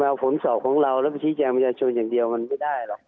เอาผมสอบของเราแล้วพอที่จะมาช่วยอย่างเดียวมันไม่ได้หรอก